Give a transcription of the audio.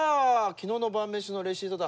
昨日の晩飯のレシートだ。